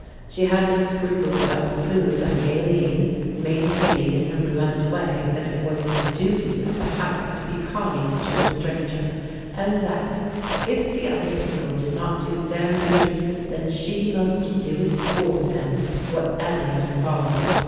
She had no scruples about the food like Aline, maintaining in her blunt way that it was the duty of the house to be kind to the stranger and that, if the other people did not do their duty, then she must do it for them whatever it involved.